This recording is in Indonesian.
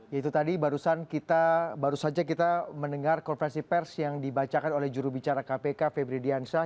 ya itu tadi baru saja kita mendengar konferensi pers yang dibacakan oleh jurubicara kpk febri diansyah